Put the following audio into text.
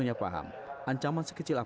lalu kerja perkerja sementara tergolong tersebut